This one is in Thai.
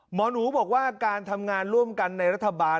หมอหนูบอกว่าการทำงานร่วมกันในรัฐบาล